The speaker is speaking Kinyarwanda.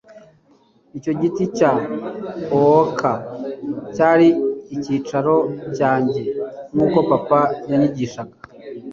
Icyo giti cya Oak cyari icyicaro cyanjye nkuko papa yanyigishaga